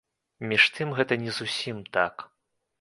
Між тым гэта не зусім так.